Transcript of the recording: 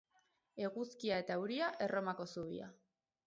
Eguzkia eta euria, Erromako zubia.